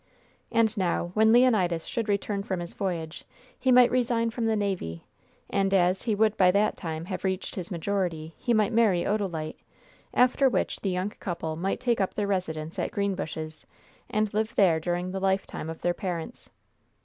And now, when Leonidas should return from his voyage, he might resign from the navy, and, as he would by that time have reached his majority, he might marry Odalite, after which the young couple might take up their residence at Greenbushes and live there during the lifetime of their parents.